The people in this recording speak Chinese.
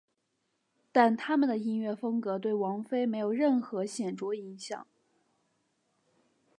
但他们的音乐风格对王菲没有任何显着影响。